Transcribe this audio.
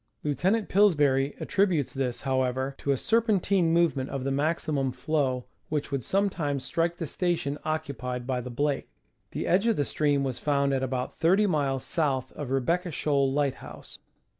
Lieutenant Pillsbury attributes this, however, to a serpentine movement of the maximum flow, which would sometimes strike the station occupied by the Blake. The edge of the stream was found at about 30 miles south of Re becca Shoal light house.